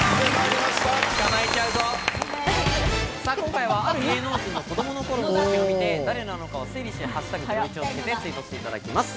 今回はある芸能人の子供の頃の写真を見て、誰なのかを推理し「＃ゼロイチ」をつけてツイートしていただきます。